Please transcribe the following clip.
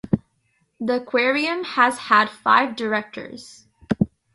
The Aquarium has had five directors.